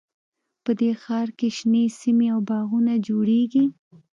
په دې ښار کې شنې سیمې او باغونه جوړیږي